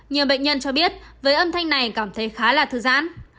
nhiều bệnh nhân cho biết với âm thanh này cảm thấy khá là thư giãn